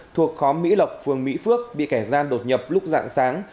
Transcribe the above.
thuộc khóm mỹ lộc phường mỹ phước bị kẻ gian đột nhập lúc dạng sáng